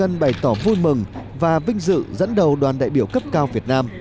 đồng thời bày tỏ vui mừng và vinh dự dẫn đầu đoàn đại biểu cấp cao việt nam